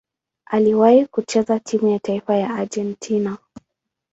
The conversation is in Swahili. Aliwahi kucheza timu ya taifa ya Argentina.